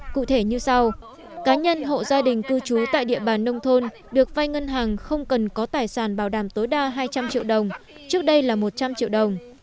cụ thể như sau cá nhân hộ gia đình cư trú tại địa bàn nông thôn được vay ngân hàng không cần có tài sản bảo đảm tối đa hai trăm linh triệu đồng trước đây là một trăm linh triệu đồng